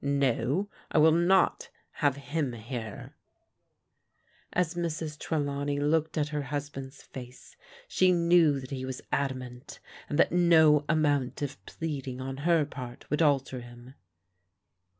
— ^no, I will not have him here !" As Mrs. Trelawney looked at her husband's face she knew that he was adamant, and that no amount of plead ing on her part would alter him.